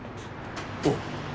おっ。